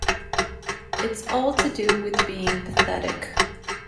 It's all to do with being pathetic.